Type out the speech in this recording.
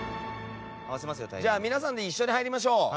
じゃあ皆さんで一緒に入りましょう。